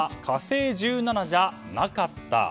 「火星１７」じゃなかった。